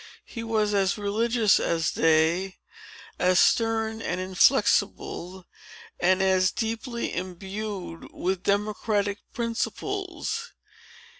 He was as religious as they, as stern and inflexible, and as deeply imbued with democratic principles.